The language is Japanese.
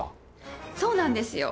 そうなんですよ。